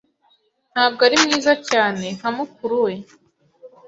Ntabwo ari mwiza cyane nka mukuru we.